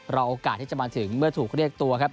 โอกาสที่จะมาถึงเมื่อถูกเรียกตัวครับ